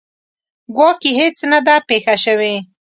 ګواکې هیڅ نه ده پېښه شوې.